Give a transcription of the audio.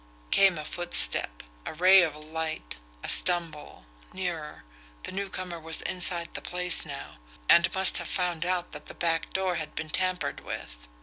Came a footstep a ray of light a stumble nearer the newcomer was inside the place now, and must have found out that the back door had been tampered with.